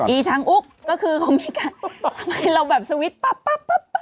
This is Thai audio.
อชังอุ๊กก็คือเขามีการทำไมเราแบบสวิตช์ปั๊บปั๊บ